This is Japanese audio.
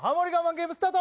ゲームスタート